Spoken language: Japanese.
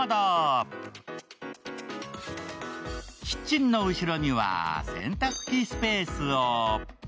キッチンの後ろには洗濯機スペースを。